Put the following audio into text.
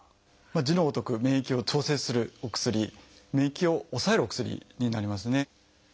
字のごとく免疫を調節するお薬免疫を抑えるお薬になりますね。